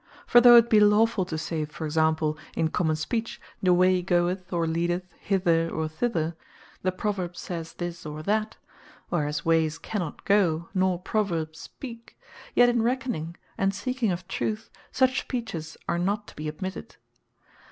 For though it be lawfull to say, (for example) in common speech, The Way Goeth, Or Leadeth Hither, Or Thither, The Proverb Sayes This Or That (whereas wayes cannot go, nor Proverbs speak;) yet in reckoning, and seeking of truth, such speeches are not to be admitted.